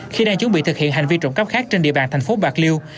khi đang chuẩn bị thực hiện hành vi trộm cắp khác trên địa bàn thành phố bạc liêu